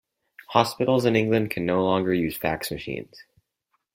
Hospitals in England can no longer use fax machines.